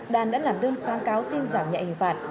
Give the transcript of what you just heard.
đàn đã làm đơn kháng cáo xin giảm nhạy hình phạt